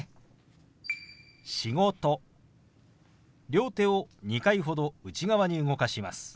両手を２回ほど内側に動かします。